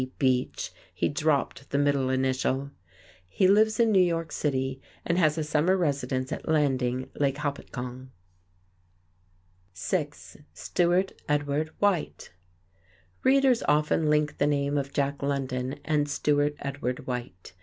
Beach," he dropped the middle initial. He lives in New York City and has a summer residence at Landing, Lake Hopatcong, N. J. [Illustration: STEWART EDWARD WHITE] Stewart Edward White SIX Readers often link the name of Jack London and Stewart Edward White.